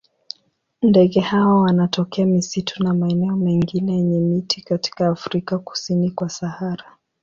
Ndege hawa wanatokea misitu na maeneo mengine yenye miti katika Afrika kusini kwa Sahara.